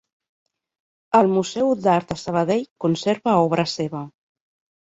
El Museu d'Art de Sabadell conserva obra seva.